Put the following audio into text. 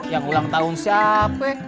yang ulang tahun siapa